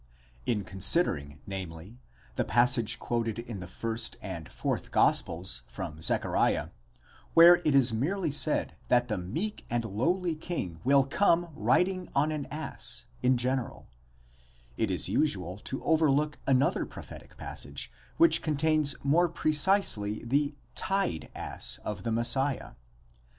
In considering, namely, the passage quoted in the first and fourth gospels from Zechariah, where it is merely said that the meek and lowly king will come riding on an ass, in general ; it is usual to overlook another prophetic passage, which contains more precisely the "ed ass of the Messiah.